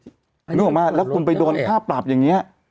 รู้หรือเปล่าไหมแล้วคุณไปโดนผ้าปรับอย่างนี้